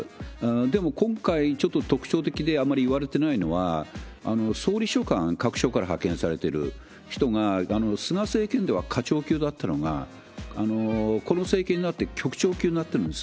でも今回ちょっと特徴的であんまりいわれてないのは、総理秘書官、各所から派遣されてる人が菅政権では課長級だったのが、この政権になって局長級になってるんです。